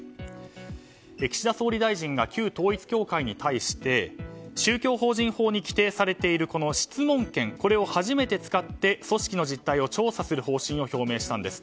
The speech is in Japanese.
岸田総理大臣が旧統一教会に対し宗教法人法に規定されている質問権これを初めて使って組織の実態を調査する方針を示したんです。